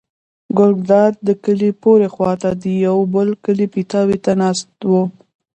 ګلداد د کلي پورې خوا ته د یوه بل کلي پیتاوي ته ناست و.